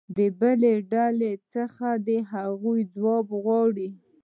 د بلې ډلې څخه دې د هغو ځوابونه وغواړي.